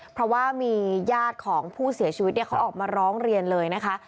เพราะว่ามีญาติของผู้เสียชีวิตเขาออกมาร้องเรียนเลยนะคะ